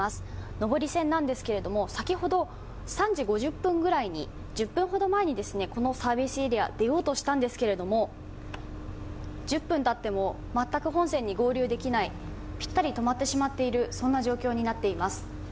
上り線なんですけど、先ほど３時５０分ぐらい１０分ほど前にこのサービスエリア出ようとしたんですけれども、１０分たっても全く本線に合流できないぴったり止まってしまっているそんな状況になっています。